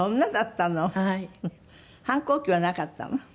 反抗期はなかったの？